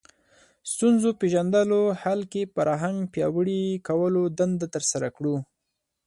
ستونزو پېژندلو حل کې فرهنګ پیاوړي کولو دنده ترسره کړو